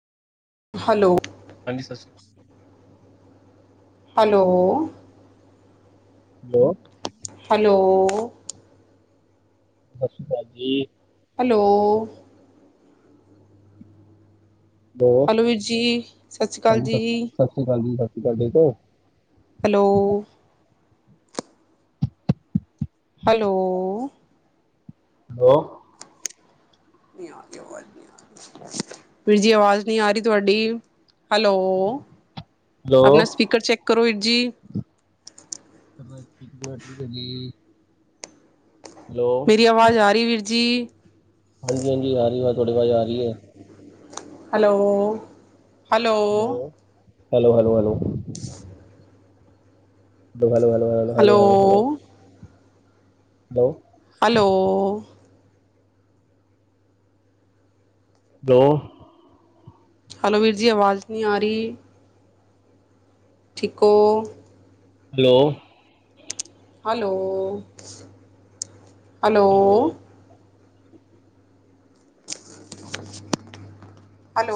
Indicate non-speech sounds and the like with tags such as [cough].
Hello. ਹਾਂ ਸਤਿ੍ਰੀਕ hello hello hello ਸਤਿ ਸ਼੍ਰੀ ਅਕਾਲ ਜੀ ਹੈਲੋ ਹੈਲੋ ਵੀਰ ਜੀ ਸਤਿ ਸ਼੍ਰੀ ਅਕਾਲ ਹਾਂਜੀ ਜੀ ਸਤਿ ਸ਼੍ਰੀ ਸਤਿ ਸ੍ਰੀ ਅਕਾਲ ਹੋਰ ਠੀਕ ਓ ਹੈਲੋ ਹੈਲੋ ਹੈਲੋ ਨਹੀਂ ਆ ਰੀ ਆਵਾਜ ਨਹੀਂ ਵੀਰਜੀ ਆਵਾਜ਼ ਨਹੀਂ ਆ ਰਹੀ ਤੁਹਾਡੀ ਹੈਲੋ ਹੈਲੋ ਆਪਣਾ ਸਪੀਕਰ ਤੁਹਾਡਾ ਚੈੱਕ ਕਰੋ ਵੀਰ ਜੀ ਗ [unintelligible] ਹੈਲੋ ਦੀ ਆਵਾਜ਼ ਆ ਰਹੀ ਵੀਰ ਜੀ ਹਾਂਜੀ ਹਾਂਜੀ ਆ ਰਹੀ ਵ ਤੁਹਾਡੇ ਵਾਜ਼ ਆ ਰਹੀ ਹੈ hello hello, hello hello hello hello ਹ ਹੈ ਲੈ ਹੈਲੋ ਲੋ ਹੈਲੋ ਹੈਲੋ ਹੈਲੋ ਹੈਲੋ ਦੋ ਹੈਲੋ ਵੀਰ ਜੀ ਆਵਾਜ਼ ਨਹੀਂ ਆ ਰਹੀ। ਠਿਕੋ ਹੈਲੋ ਹੈਲੋ ਹੈਲੋ ਹਾਂਜੀ